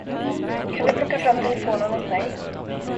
Kan du plocka fram telefonen åt mig?